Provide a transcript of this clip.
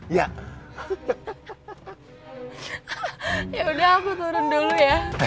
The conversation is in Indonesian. ya yaudah aku turun dulu ya